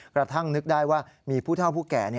กระทั่งนึกได้ว่ามีผู้เท่าผู้แก่